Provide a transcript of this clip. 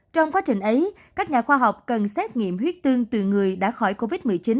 trong quá trình ấy các nhà khoa học cần xét nghiệm huyết tương từ người đã khỏi covid một mươi chín